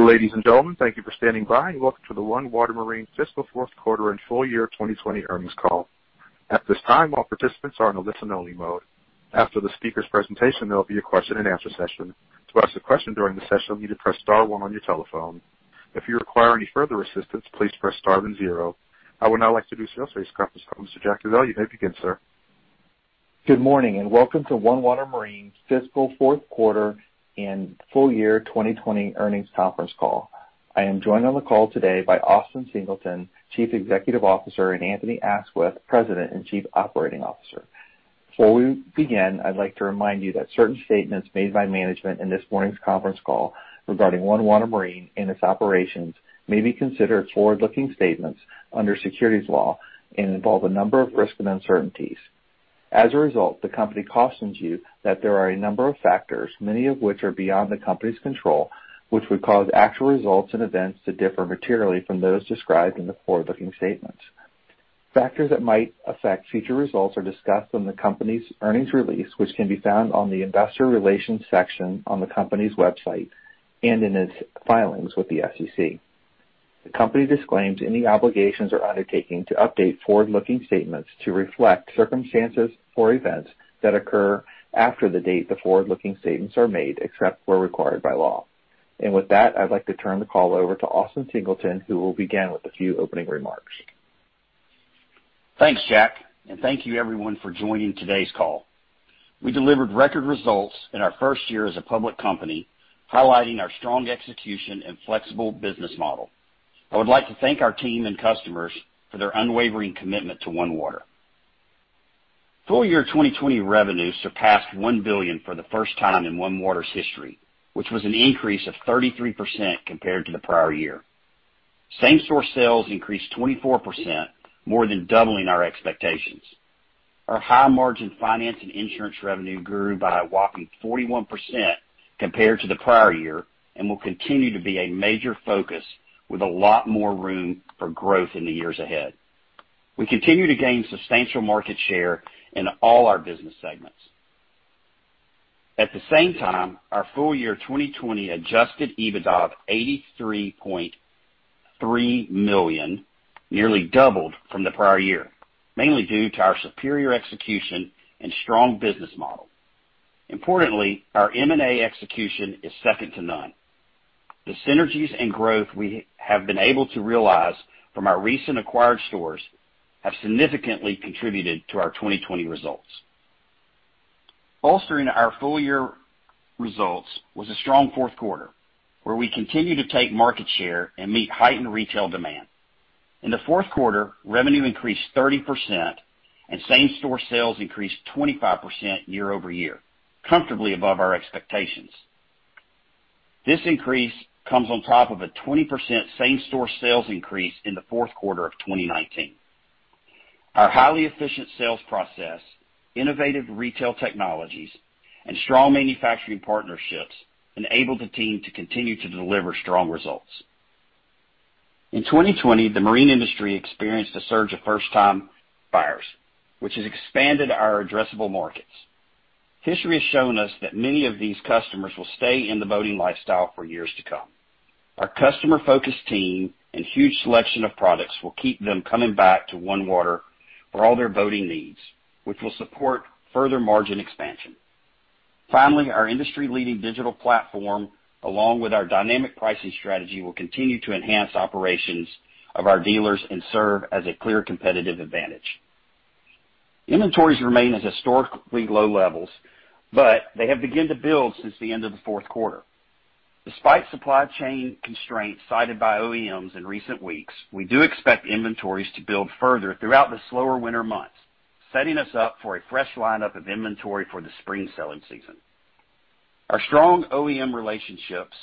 Welcome to the OneWater Marine fiscal fourth quarter and full year 2020 earnings call. At this time all participants are on a listen only mode. After the speakers presentation there will be a question and answer session. To ask a question during the session, you can press the star one on your telephone. If you require any further assistance, please press the star zero. I would now like to do sales for this conference call. Mr. Jack Ezzell, you may begin, sir. Good morning, and welcome to OneWater Marine's fiscal fourth quarter and full year 2020 earnings conference call. I am joined on the call today by Austin Singleton, Chief Executive Officer, and Anthony Aisquith, President and Chief Operating Officer. Before we begin, I'd like to remind you that certain statements made by management in this morning's conference call regarding OneWater Marine and its operations may be considered forward-looking statements under securities law and involve a number of risks and uncertainties. As a result, the company cautions you that there are a number of factors, many of which are beyond the company's control, which would cause actual results and events to differ materially from those described in the forward-looking statements. Factors that might affect future results are discussed in the company's earnings release, which can be found on the investor relations section on the company's website and in its filings with the SEC. The company disclaims any obligations or undertaking to update forward-looking statements to reflect circumstances or events that occur after the date the forward-looking statements are made, except where required by law. With that, I'd like to turn the call over to Austin Singleton, who will begin with a few opening remarks. Thanks, Jack. Thank you everyone for joining today's call. We delivered record results in our first year as a public company, highlighting our strong execution and flexible business model. I would like to thank our team and customers for their unwavering commitment to OneWater. Full year 2020 revenue surpassed $1 billion for the first time in OneWater's history, which was an increase of 33% compared to the prior year. Same-store sales increased 24%, more than doubling our expectations. Our high margin finance and insurance revenue grew by a whopping 41% compared to the prior year and will continue to be a major focus with a lot more room for growth in the years ahead. We continue to gain substantial market share in all our business segments. At the same time, our full year 2020 adjusted EBITDA of $83.3 million nearly doubled from the prior year, mainly due to our superior execution and strong business model. Importantly, our M&A execution is second to none. The synergies and growth we have been able to realize from our recent acquired stores have significantly contributed to our 2020 results. Bolstering our full year results was a strong fourth quarter, where we continued to take market share and meet heightened retail demand. In the fourth quarter, revenue increased 30% and same-store sales increased 25% year-over-year, comfortably above our expectations. This increase comes on top of a 20% same-store sales increase in the fourth quarter of 2019. Our highly efficient sales process, innovative retail technologies, and strong manufacturing partnerships enabled the team to continue to deliver strong results. In 2020, the marine industry experienced a surge of first-time buyers, which has expanded our addressable markets. History has shown us that many of these customers will stay in the boating lifestyle for years to come. Our customer-focused team and huge selection of products will keep them coming back to OneWater for all their boating needs, which will support further margin expansion. Finally, our industry-leading digital platform, along with our dynamic pricing strategy, will continue to enhance operations of our dealers and serve as a clear competitive advantage. Inventories remain at historically low levels, but they have begun to build since the end of the fourth quarter. Despite supply chain constraints cited by OEMs in recent weeks, we do expect inventories to build further throughout the slower winter months, setting us up for a fresh lineup of inventory for the spring selling season. Our strong OEM relationships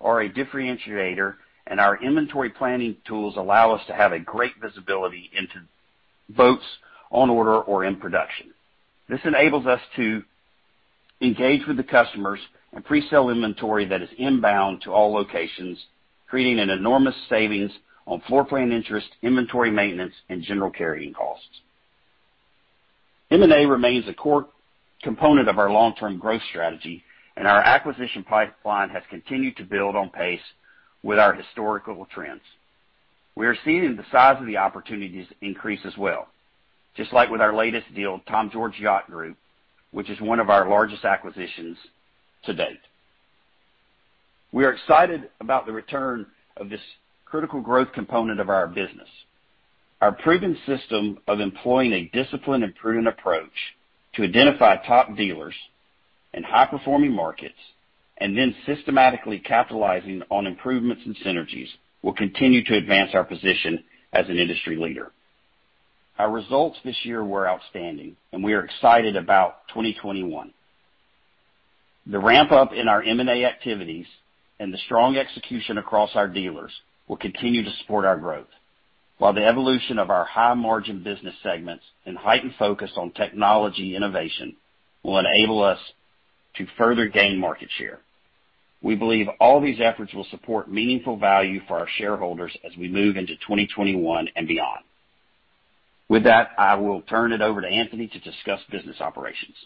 are a differentiator. Our inventory planning tools allow us to have a great visibility into boats on order or in production. This enables us to engage with the customers and pre-sell inventory that is inbound to all locations, creating an enormous savings on floor plan interest, inventory maintenance, and general carrying costs. M&A remains a core component of our long-term growth strategy. Our acquisition pipeline has continued to build on pace with our historical trends. We are seeing the size of the opportunities increase as well, just like with our latest deal, Tom George Yacht Group, which is one of our largest acquisitions to date. We are excited about the return of this critical growth component of our business. Our proven system of employing a disciplined and prudent approach to identify top dealers in high-performing markets, and then systematically capitalizing on improvements and synergies, will continue to advance our position as an industry leader. Our results this year were outstanding. We are excited about 2021. The ramp-up in our M&A activities and the strong execution across our dealers will continue to support our growth. The evolution of our high-margin business segments and heightened focus on technology innovation will enable us to further gain market share. We believe all these efforts will support meaningful value for our shareholders as we move into 2021 and beyond. With that, I will turn it over to Anthony to discuss business operations.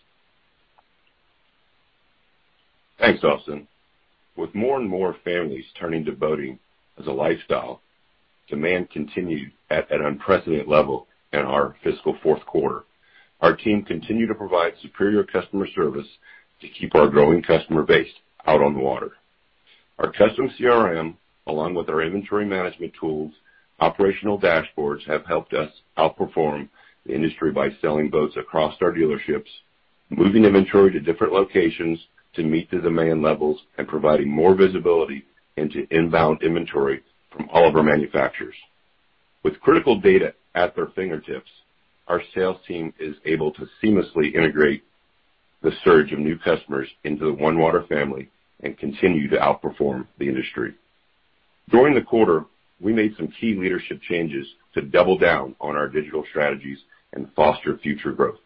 Thanks, Austin. With more and more families turning to boating as a lifestyle, demand continued at an unprecedented level in our fiscal fourth quarter. Our team continued to provide superior customer service to keep our growing customer base out on the water. Our custom CRM, along with our inventory management tools, operational dashboards, have helped us outperform the industry by selling boats across our dealerships, moving inventory to different locations to meet the demand levels, and providing more visibility into inbound inventory from all of our manufacturers. With critical data at their fingertips, our sales team is able to seamlessly integrate the surge of new customers into the OneWater family and continue to outperform the industry. During the quarter, we made some key leadership changes to double down on our digital strategies and foster future growth.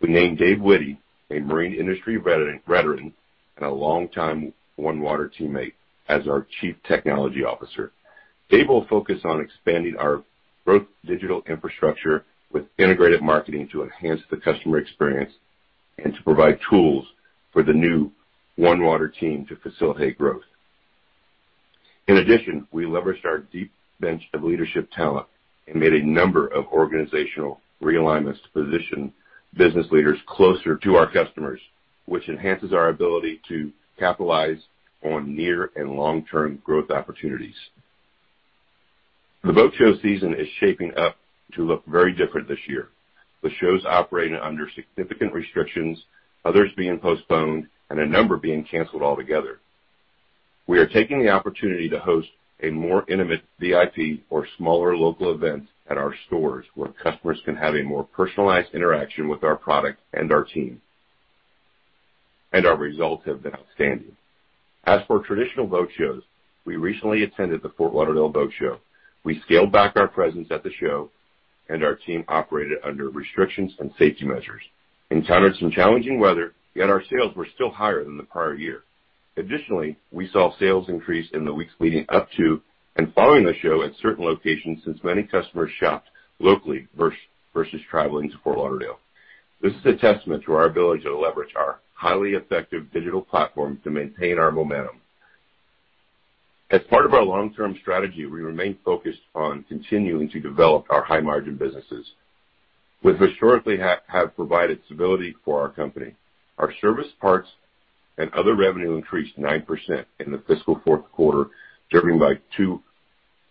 We named Dave Witty, a marine industry veteran, and a longtime OneWater teammate, as our Chief Technology Officer. Dave will focus on expanding our growth digital infrastructure with integrated marketing to enhance the customer experience and to provide tools for the new OneWater team to facilitate growth. In addition, we leveraged our deep bench of leadership talent and made a number of organizational realignments to position business leaders closer to our customers, which enhances our ability to capitalize on near and long-term growth opportunities. The boat show season is shaping up to look very different this year, with shows operating under significant restrictions, others being postponed, and a number being canceled altogether. We are taking the opportunity to host a more intimate VIP or smaller local events at our stores, where customers can have a more personalized interaction with our product and our team. Our results have been outstanding. As for traditional boat shows, we recently attended the Fort Lauderdale Boat Show. We scaled back our presence at the show, and our team operated under restrictions and safety measures, encountered some challenging weather, yet our sales were still higher than the prior year. Additionally, we saw sales increase in the weeks leading up to and following the show at certain locations, since many customers shopped locally versus traveling to Fort Lauderdale. This is a testament to our ability to leverage our highly effective digital platform to maintain our momentum. As part of our long-term strategy, we remain focused on continuing to develop our high-margin businesses, which historically have provided stability for our company. Our service parts and other revenue increased 9% in the fiscal fourth quarter, driven by two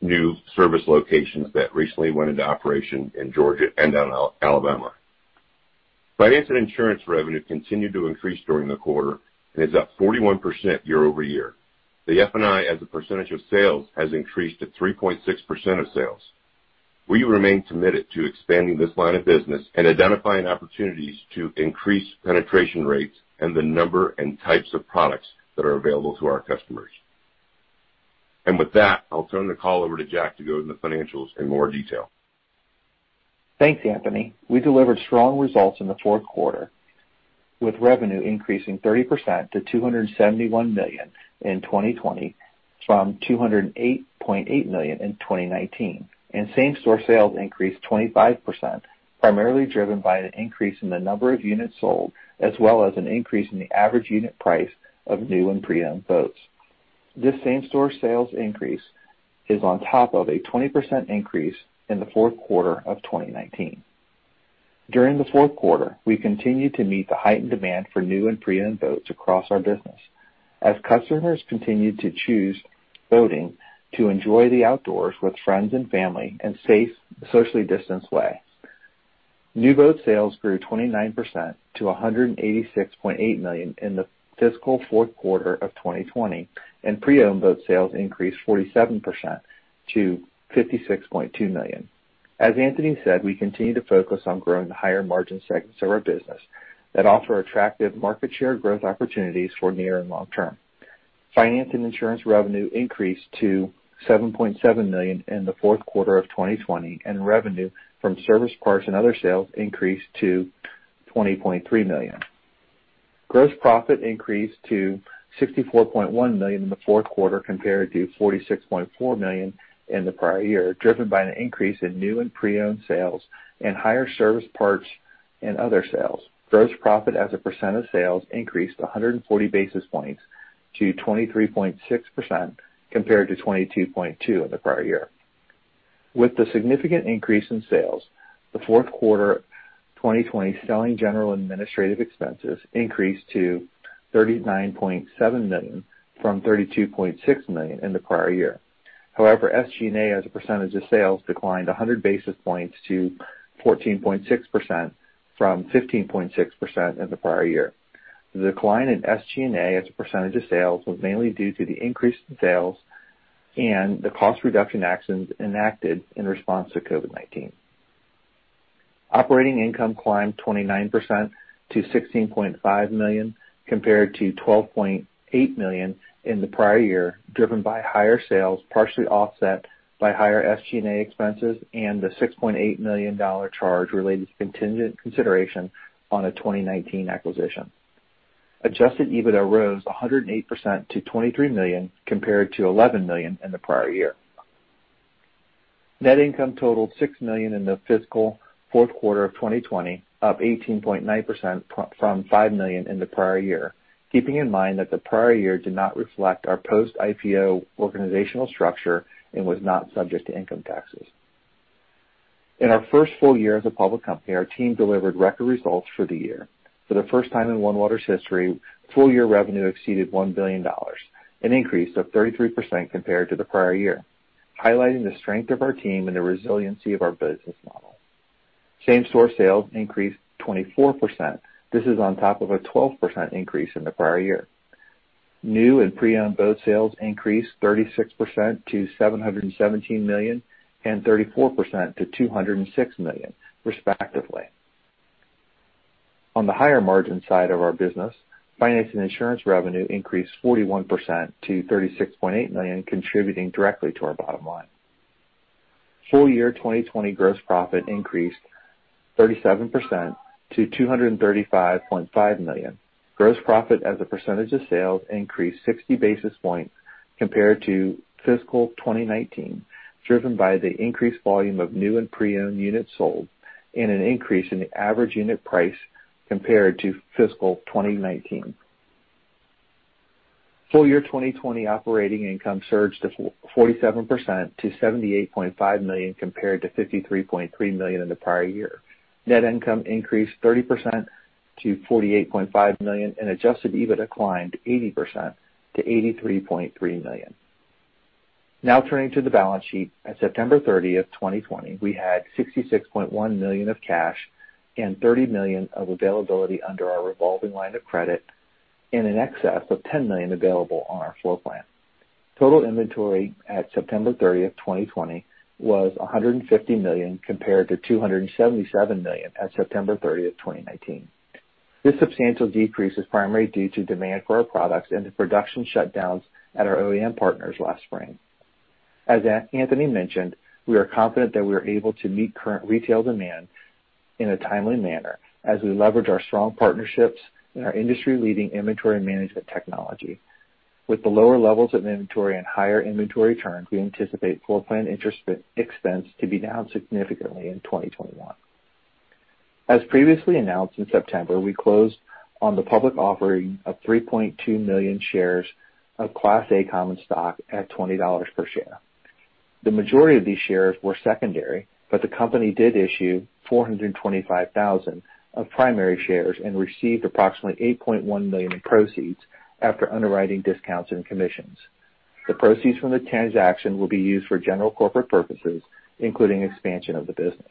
new service locations that recently went into operation in Georgia and Alabama. Finance and insurance revenue continued to increase during the quarter and is up 41% year-over-year. The F&I as a percentage of sales has increased to 3.6% of sales. We remain committed to expanding this line of business and identifying opportunities to increase penetration rates and the number and types of products that are available to our customers. With that, I'll turn the call over to Jack to go into financials in more detail. Thanks, Anthony. We delivered strong results in the fourth quarter, with revenue increasing 30% to $271 million in 2020 from $208.8 million in 2019, and same-store sales increased 25%, primarily driven by an increase in the number of units sold, as well as an increase in the average unit price of new and pre-owned boats. This same-store sales increase is on top of a 20% increase in the fourth quarter of 2019. During the fourth quarter, we continued to meet the heightened demand for new and pre-owned boats across our business as customers continued to choose boating to enjoy the outdoors with friends and family in safe, socially distanced ways. New boat sales grew 29% to $186.8 million in the fiscal fourth quarter of 2020, and pre-owned boat sales increased 47% to $56.2 million. As Anthony said, we continue to focus on growing the higher margin segments of our business that offer attractive market share growth opportunities for near and long term. Finance and insurance revenue increased to $7.7 million in the fourth quarter of 2020, and revenue from service parts and other sales increased to $20.3 million. Gross profit increased to $64.1 million in the fourth quarter compared to $46.4 million in the prior year, driven by an increase in new and pre-owned sales and higher service parts and other sales. Gross profit as a percent of sales increased 140 basis points to 23.6%, compared to 22.2% in the prior year. With the significant increase in sales, the fourth quarter 2020 selling general administrative expenses increased to $39.7 million from $32.6 million in the prior year. SG&A as a percentage of sales declined 100 basis points to 14.6% from 15.6% in the prior year. The decline in SG&A as a percentage of sales was mainly due to the increase in sales and the cost reduction actions enacted in response to COVID-19. Operating income climbed 29% to $16.5 million, compared to $12.8 million in the prior year, driven by higher sales, partially offset by higher SG&A expenses and the $6.8 million charge related to contingent consideration on a 2019 acquisition. Adjusted EBITDA rose 108% to $23 million compared to $11 million in the prior year. Net income totaled $6 million in the fiscal fourth quarter of 2020, up 18.9% from $5 million in the prior year. Keeping in mind that the prior year did not reflect our post-IPO organizational structure and was not subject to income taxes. In our first full year as a public company, our team delivered record results for the year. For the first time in OneWater's history, full-year revenue exceeded $1 billion, an increase of 33% compared to the prior year, highlighting the strength of our team and the resiliency of our business model. Same-store sales increased 24%. This is on top of a 12% increase in the prior year. New and pre-owned boat sales increased 36% to $717 million and 34% to $206 million respectively. On the higher margin side of our business, finance and insurance revenue increased 41% to $36.8 million, contributing directly to our bottom line. Full year 2020 gross profit increased 37% to $235.5 million. Gross profit as a percentage of sales increased 60 basis points compared to fiscal 2019, driven by the increased volume of new and pre-owned units sold and an increase in the average unit price compared to fiscal 2019. Full year 2020 operating income surged to 47% to $78.5 million compared to $53.3 million in the prior year. Net income increased 30% to $48.5 million and adjusted EBITDA climbed 80% to $83.3 million. Turning to the balance sheet. At September 30th, 2020, we had $66.1 million of cash and $30 million of availability under our revolving line of credit and in excess of $10 million available on our floor plan. Total inventory at September 30th, 2020 was $150 million compared to $277 million at September 30th, 2019. This substantial decrease is primarily due to demand for our products and the production shutdowns at our OEM partners last spring. As Anthony mentioned, we are confident that we are able to meet current retail demand in a timely manner as we leverage our strong partnerships and our industry-leading inventory management technology. With the lower levels of inventory and higher inventory turns, we anticipate floor plan interest expense to be down significantly in 2021. As previously announced in September, we closed on the public offering of 3.2 million shares of Class A common stock at $20 per share. The majority of these shares were secondary, but the company did issue 425,000 of primary shares and received approximately $8.1 million in proceeds after underwriting discounts and commissions. The proceeds from the transaction will be used for general corporate purposes, including expansion of the business.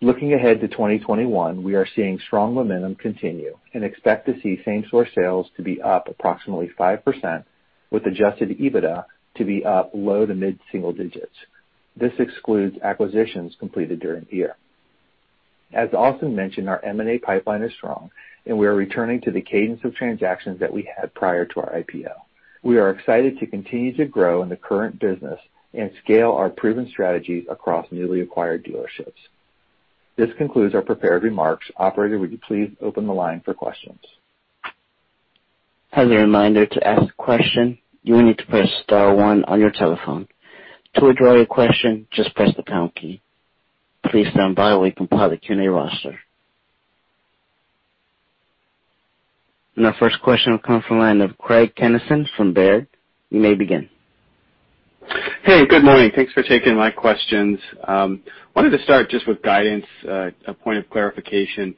Looking ahead to 2021, we are seeing strong momentum continue and expect to see same-store sales to be up approximately 5% with adjusted EBITDA to be up low to mid-single digits. This excludes acquisitions completed during the year. As Austin mentioned, our M&A pipeline is strong, and we are returning to the cadence of transactions that we had prior to our IPO. We are excited to continue to grow in the current business and scale our proven strategies across newly acquired dealerships. This concludes our prepared remarks. Operator, would you please open the line for questions? As a reminder, to ask a question, you will need to press star one on your telephone. To withdraw your question, just press the pound key. Please stand by while we compile the Q&A roster. Our first question will come from the line of Craig Kennison from Baird. You may begin. Hey, good morning. Thanks for taking my questions. I wanted to start just with guidance, a point of clarification.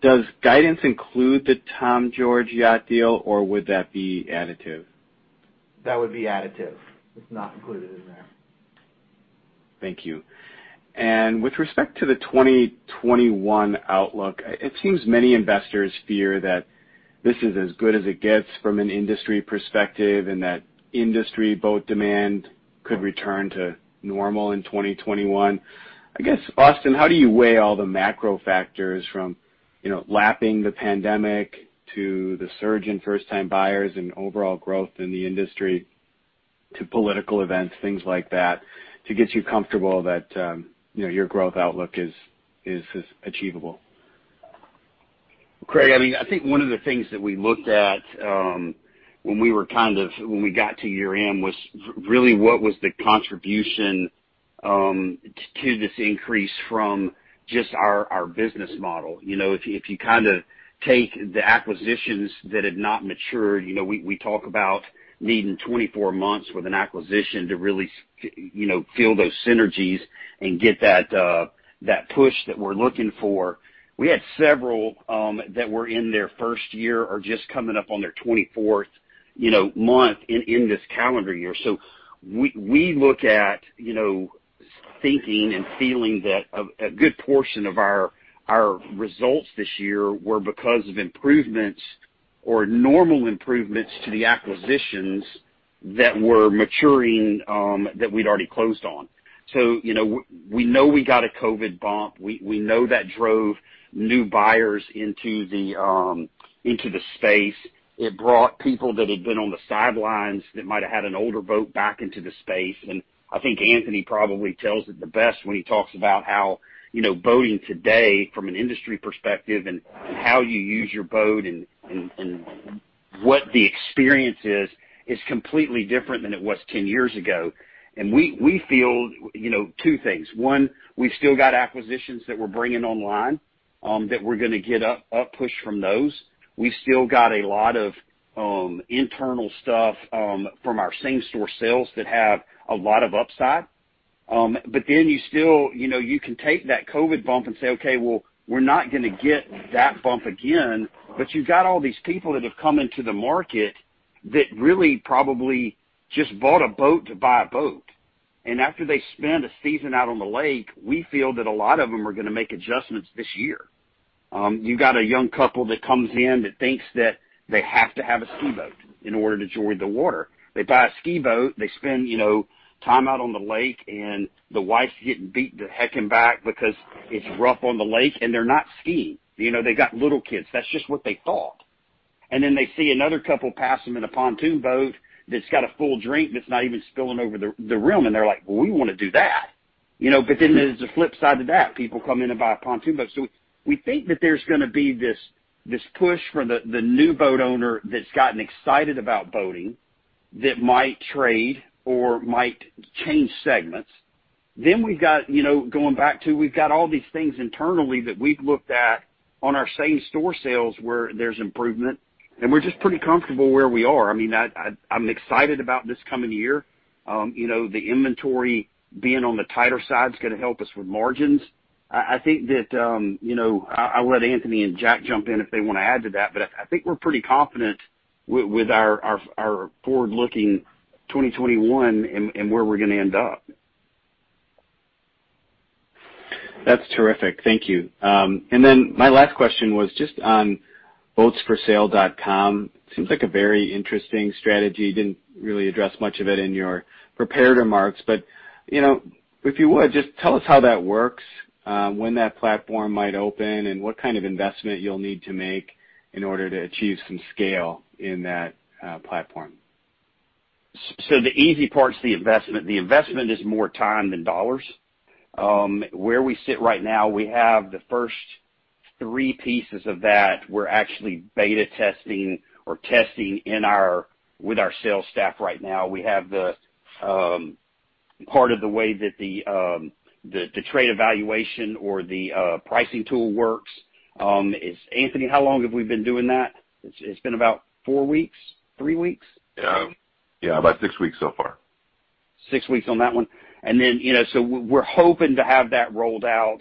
Does guidance include the Tom George yacht deal, or would that be additive? That would be additive. It's not included in there. Thank you. With respect to the 2021 outlook, it seems many investors fear that this is as good as it gets from an industry perspective and that industry boat demand could return to normal in 2021. I guess, Austin, how do you weigh all the macro factors from lapping the pandemic to the surge in first-time buyers and overall growth in the industry to political events, things like that, to get you comfortable that your growth outlook is achievable? Craig, I think one of the things that we looked at when we got to year-end was really what was the contribution to this increase from just our business model. If you take the acquisitions that had not matured, we talk about needing 24 months with an acquisition to really feel those synergies and get that push that we're looking for. We had several that were in their first year or just coming up on their 24th month in this calendar year. We look at thinking and feeling that a good portion of our results this year were because of improvements or normal improvements to the acquisitions that were maturing that we'd already closed on. We know we got a COVID bump. We know that drove new buyers into the space. It brought people that had been on the sidelines that might have had an older boat back into the space. I think Anthony probably tells it the best when he talks about how boating today from an industry perspective and how you use your boat and What the experience is completely different than it was 10 years ago. We feel two things. One, we still got acquisitions that we're bringing online, that we're going to get up push from those. We still got a lot of internal stuff from our same-store sales that have a lot of upside. You can take that COVID bump and say, "Okay, well, we're not going to get that bump again," but you've got all these people that have come into the market that really probably just bought a boat to buy a boat. After they spend a season out on the lake, we feel that a lot of them are going to make adjustments this year. You got a young couple that comes in that thinks that they have to have a ski boat in order to enjoy the water. They buy a ski boat, they spend time out on the lake, and the wife's getting beat to heck and back because it's rough on the lake, and they're not skiing. They got little kids. That's just what they thought. They see another couple pass them in a pontoon boat that's got a full drink that's not even spilling over the rim, and they're like, "Well, we want to do that." There's a flip side to that. People come in and buy a pontoon boat. We think that there's going to be this push for the new boat owner that's gotten excited about boating that might trade or might change segments. Going back to, we've got all these things internally that we've looked at on our same-store sales where there's improvement, and we're just pretty comfortable where we are. I'm excited about this coming year. The inventory being on the tighter side is going to help us with margins. I'll let Anthony and Jack jump in if they want to add to that, but I think we're pretty confident with our forward-looking 2021 and where we're going to end up. That's terrific. Thank you. My last question was just on boatsforsale.com. Seems like a very interesting strategy. You didn't really address much of it in your prepared remarks, if you would, just tell us how that works, when that platform might open, and what kind of investment you'll need to make in order to achieve some scale in that platform. The easy part is the investment. The investment is more time than dollars. Where we sit right now, we have the first three pieces of that we're actually beta testing or testing with our sales staff right now. We have the part of the way that the trade evaluation or the pricing tool works. Anthony, how long have we been doing that? It's been about four weeks? Three weeks? Yeah. About six weeks so far. Six weeks on that one. We're hoping to have that rolled out.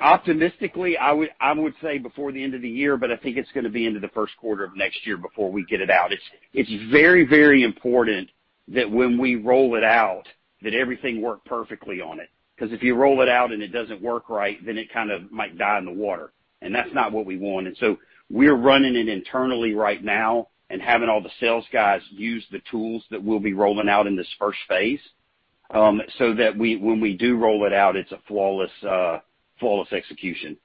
Optimistically, I would say before the end of the year, but I think it's going to be into the first quarter of next year before we get it out. It's very important that when we roll it out, that everything work perfectly on it. If you roll it out and it doesn't work right, then it kind of might die in the water, and that's not what we want. We're running it internally right now and having all the sales guys use the tools that we'll be rolling out in this first phase, so that when we do roll it out, it's a flawless execution.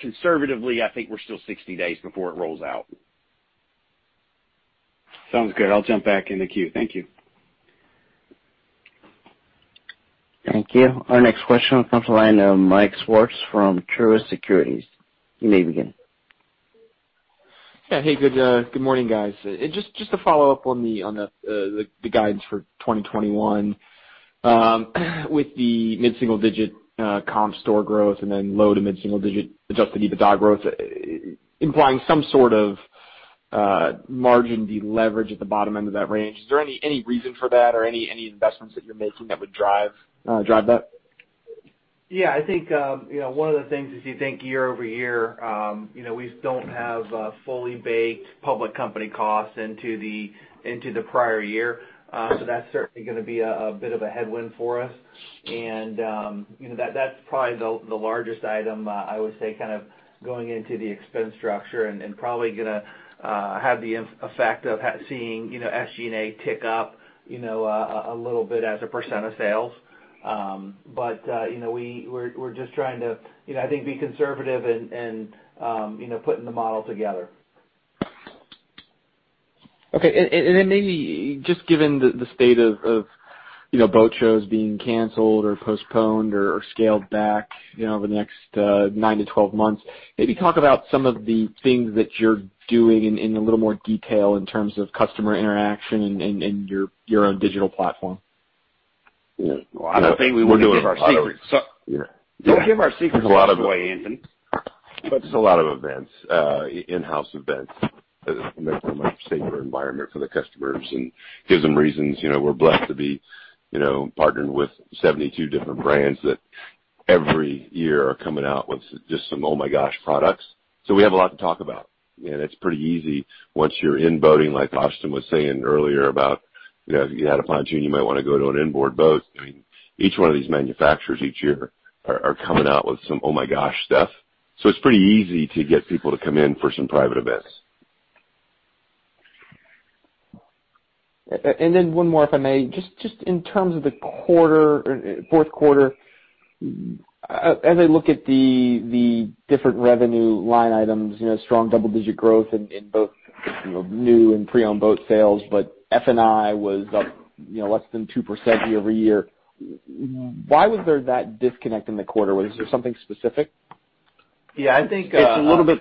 Conservatively, I think we're still 60 days before it rolls out. Sounds good. I'll jump back in the queue. Thank you. Thank you. Our next question comes from the line of Michael Swartz from Truist Securities. You may begin. Yeah. Hey, good morning, guys. Just to follow up on the guidance for 2021. With the mid-single digit comp store growth and then low- to mid-single digit adjusted EBITDA growth implying some sort of margin deleverage at the bottom end of that range. Is there any reason for that or any investments that you're making that would drive that? Yeah, I think one of the things is you think year-over-year, we don't have fully baked public company costs into the prior year. That's certainly going to be a bit of a headwind for us. That's probably the largest item, I would say, kind of going into the expense structure and probably going to have the effect of seeing SG&A tick up a little bit as a percent of sales. We're just trying to, I think, be conservative in putting the model together. Okay. maybe just given the state of boat shows being canceled or postponed or scaled back over the next 9-12 months, maybe talk about some of the things that you're doing in a little more detail in terms of customer interaction and your own digital platform. Well, I don't think we want to give our secrets. Don't give our secrets away, Anthony. Just a lot of events, in-house events. Makes for a much safer environment for the customers and gives them reasons. We're blessed to be partnered with 72 different brands that every year are coming out with just some oh-my-gosh products. We have a lot to talk about, and it's pretty easy once you're in boating, like Austin was saying earlier about if you had a pontoon, you might want to go to an inboard boat. Each one of these manufacturers each year are coming out with some oh-my-gosh stuff. It's pretty easy to get people to come in for some private events. One more, if I may. Just in terms of the fourth quarter, as I look at the different revenue line items, strong double-digit growth in both new and pre-owned boat sales, but F&I was up, you know, less than 2% year-over-year. Why was there that disconnect in the quarter? Was there something specific? Yeah, I think. It's a little bit-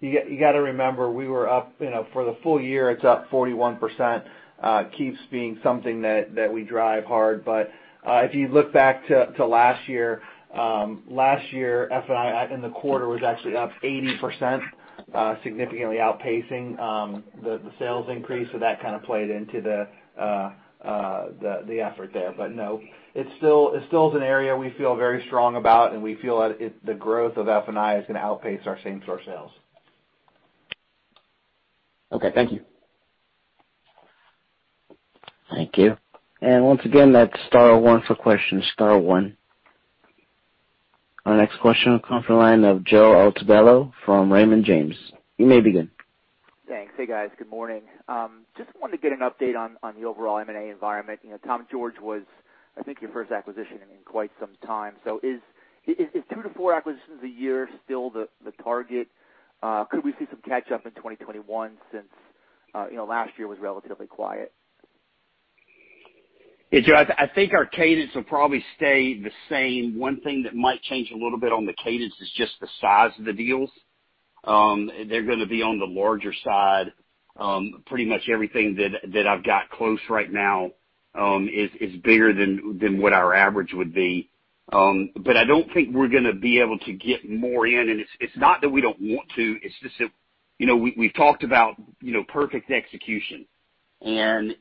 You got to remember, we were up, for the full year, it's up 41%. Keeps being something that we drive hard. If you look back to last year, last year, F&I in the quarter was actually up 80%, significantly outpacing, the sales increase. That kind of played into the effort there. No, it's still an area we feel very strong about, and we feel that the growth of F&I is going to outpace our same-store sales. Okay. Thank you. Thank you. Once again, that's star one for questions, star one. Our next question will come from the line of Joe Altobello from Raymond James. You may begin. Thanks. Hey, guys. Good morning. Just wanted to get an update on the overall M&A environment. Tom George was, I think, your first acquisition in quite some time. Is two to four acquisitions a year still the target? Could we see some catch-up in 2021 since last year was relatively quiet? Hey, Joe. I think our cadence will probably stay the same. One thing that might change a little bit on the cadence is just the size of the deals. They're going to be on the larger side. Pretty much everything that I've got close right now, is bigger than what our average would be. I don't think we're going to be able to get more in. It's not that we don't want to, it's just that we've talked about perfect execution, and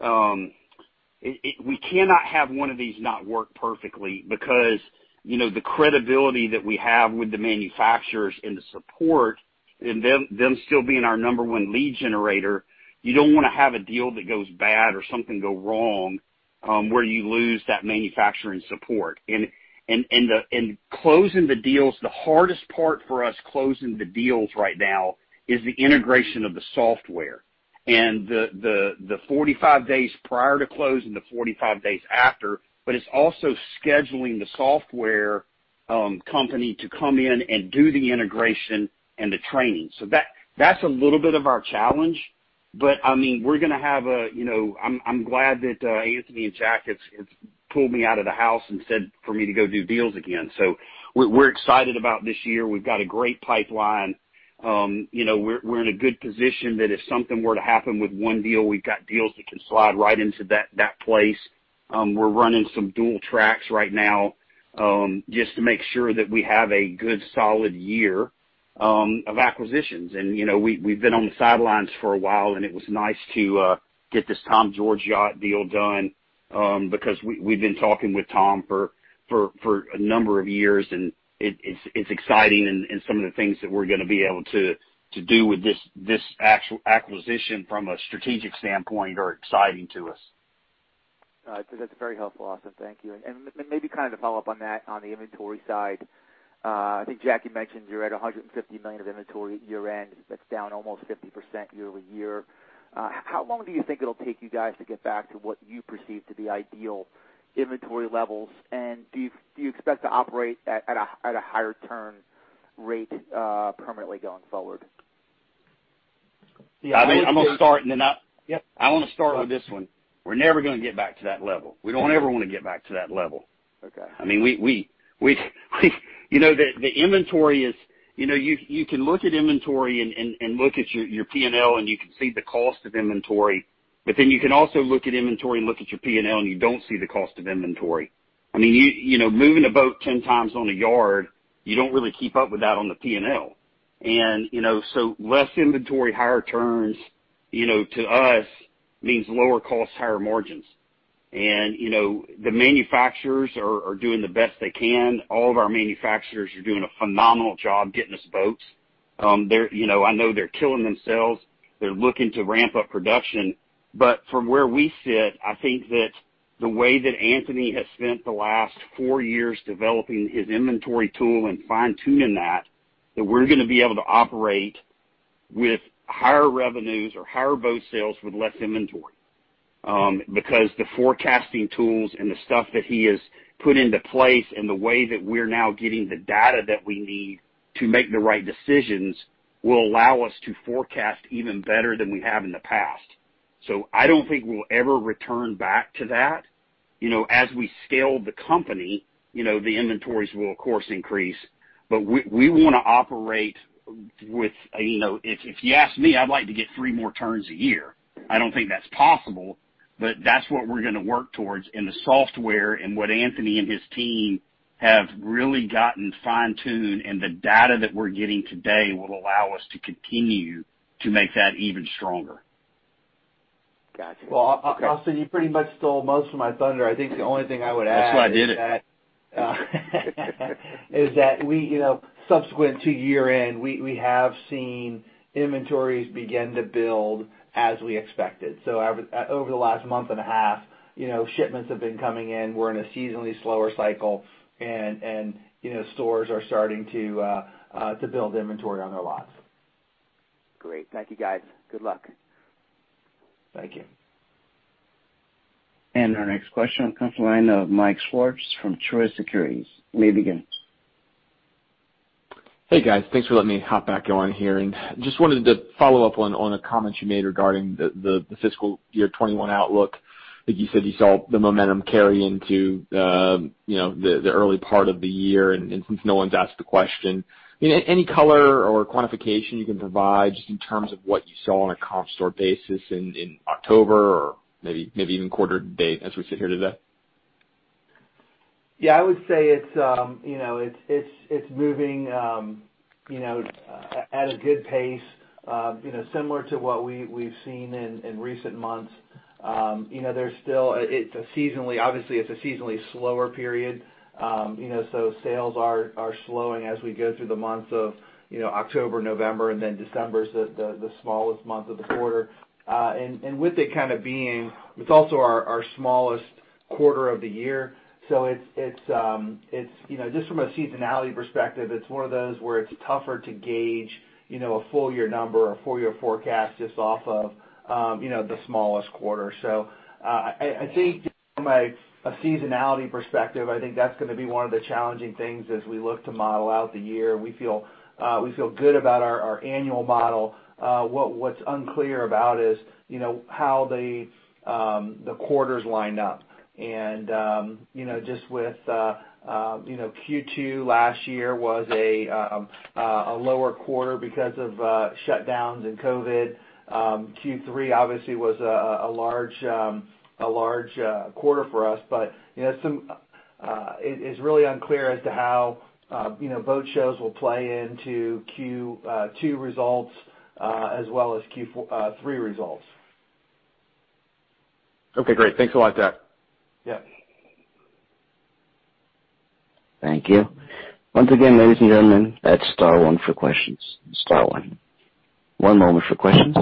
we cannot have one of these not work perfectly because the credibility that we have with the manufacturers and the support and them still being our number one lead generator, you don't want to have a deal that goes bad or something go wrong, where you lose that manufacturing support. Closing the deals, the hardest part for us closing the deals right now is the integration of the software and the 45 days prior to close and the 45 days after. It's also scheduling the software company to come in and do the integration and the training. That's a little bit of our challenge. I'm glad that Anthony and Jack have pulled me out of the house and said for me to go do deals again. We're excited about this year. We've got a great pipeline. We're in a good position that if something were to happen with one deal, we've got deals that can slide right into that place. We're running some dual tracks right now, just to make sure that we have a good, solid year of acquisitions. We've been on the sidelines for a while, and it was nice to get this Tom George Yacht deal done, because we've been talking with Tom for a number of years, and it's exciting. Some of the things that we're going to be able to do with this acquisition from a strategic standpoint are exciting to us. All right. That's very helpful, Austin. Thank you. Maybe kind of to follow up on that, on the inventory side, I think Jack mentioned you're at $150 million of inventory year-end. That's down almost 50% year-over-year. How long do you think it'll take you guys to get back to what you perceive to be ideal inventory levels? Do you expect to operate at a higher turn rate, permanently going forward? I'm going to start. Yep. I want to start with this one. We're never going to get back to that level. We don't ever want to get back to that level. Okay. You can look at inventory and look at your P&L, and you can see the cost of inventory. You can also look at inventory and look at your P&L, and you don't see the cost of inventory. Moving a boat 10 times on a yard, you don't really keep up with that on the P&L. Less inventory, higher turns, to us means lower costs, higher margins. The manufacturers are doing the best they can. All of our manufacturers are doing a phenomenal job getting us boats. I know they're killing themselves. They're looking to ramp up production. From where we sit, I think that the way that Anthony has spent the last four years developing his inventory tool and fine-tuning that we're going to be able to operate with higher revenues or higher boat sales with less inventory. Because the forecasting tools and the stuff that he has put into place and the way that we're now getting the data that we need to make the right decisions will allow us to forecast even better than we have in the past. I don't think we'll ever return back to that. As we scale the company, the inventories will, of course, increase. If you ask me, I'd like to get three more turns a year. I don't think that's possible, but that's what we're going to work towards. The software and what Anthony and his team have really gotten fine-tuned and the data that we're getting today will allow us to continue to make that even stronger. Got you. Okay. Well, Austin, you pretty much stole most of my thunder. I think the only thing I would add. That's why I did it. Is that we, subsequent to year-end, we have seen inventories begin to build as we expected. Over the last month and a half, shipments have been coming in. We're in a seasonally slower cycle. Stores are starting to build inventory on their lots. Great. Thank you, guys. Good luck. Thank you. Our next question comes from the line of Michael Swartz from Truist Securities. You may begin. Hey guys, thanks for letting me hop back on here. Just wanted to follow up on a comment you made regarding the fiscal year 2021 outlook. I think you said you saw the momentum carry into the early part of the year. Since no one's asked the question, any color or quantification you can provide just in terms of what you saw on a comp store basis in October or maybe even quarter to date as we sit here today? Yeah, I would say it's moving at a good pace similar to what we've seen in recent months. Obviously, it's a seasonally slower period, so sales are slowing as we go through the months of October, November, and then December is the smallest month of the quarter. With it kind of being, it's also our smallest quarter of the year. Just from a seasonality perspective, it's one of those where it's tougher to gauge a full-year number or a full-year forecast just off of the smallest quarter. I think from a seasonality perspective, I think that's going to be one of the challenging things as we look to model out the year. We feel good about our annual model. What's unclear about is how the quarters line up. Just with Q2 last year was a lower quarter because of shutdowns and COVID. Q3 obviously was a large quarter for us. It's really unclear as to how boat shows will play into Q2 results as well as Q3 results. Okay, great. Thanks a lot, Jack. Yeah. Thank you. Once again, ladies and gentlemen, that's star one for questions. Star one. One moment for questions.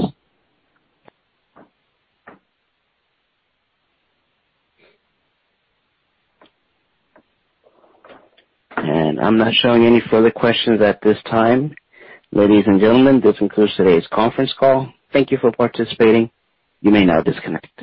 I'm not showing any further questions at this time. Ladies and gentlemen, this concludes today's conference call. Thank you for participating. You may now disconnect.